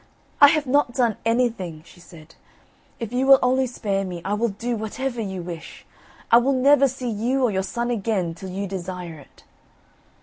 "I have not done anything," she said: "if you will only spare me, I will do whatever you wish. I will never see you or your son again till you desire it."